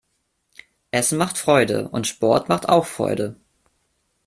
Essen macht Freude und Sport macht auch Freude.